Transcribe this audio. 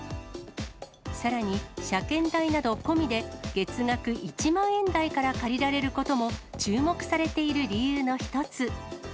さらに、車検代など込みで月額１万円台から借りられることも、注目されている理由の一つ。